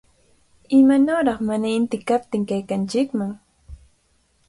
¡Imanawraq mana inti kaptin kaykanchikman!